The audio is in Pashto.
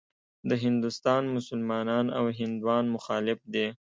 د هندوستان مسلمانان او هندوان مخالف دي.